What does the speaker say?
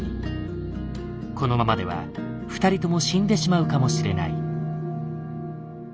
このままでは２人とも死んでしまうかもしれない。